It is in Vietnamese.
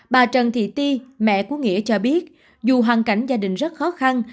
bà trần thị ti mẹ của nghĩa cho biết dù hoàn cảnh gia đình rất khó khăn